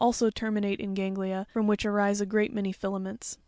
also terminate in ganglia, from which arise a great many filaments.